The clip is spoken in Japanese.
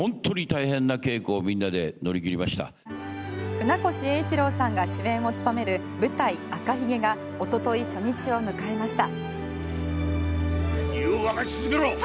船越英一郎さんが主演を務める舞台「赤ひげ」が一昨日初日を迎えました。